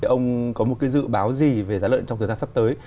ông có một dự báo gì về giá lợn trong thời gian sắp tới